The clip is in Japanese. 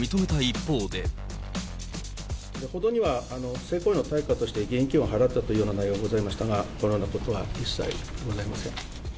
報道には性行為の対価として現金を払ったというような内容がございましたが、このようなことは一切ございません。